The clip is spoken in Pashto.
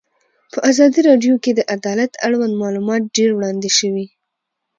په ازادي راډیو کې د عدالت اړوند معلومات ډېر وړاندې شوي.